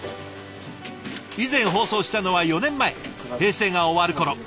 以前放送したのは４年前平成が終わる頃。